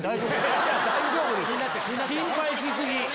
心配し過ぎ。